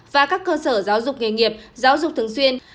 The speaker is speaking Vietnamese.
và các cơ sở giáo dục nghề nghiệp giáo dục thường xuyên